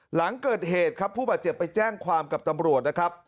หลังเกิดเหตุครับผู้บาดเจ็บไปแจ้งความกับตำรวจนะครับ